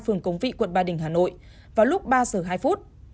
phường cống vị quận ba đình hà nội vào lúc ba giờ hai phút